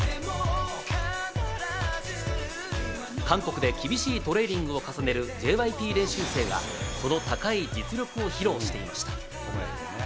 韓国で厳しいトレーニングを重ねるＪＹＰ練習生が、その高い実力を披露していました。